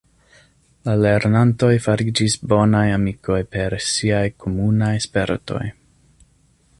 La lernantoj fariĝis bonaj amikoj per siaj komunaj spertoj.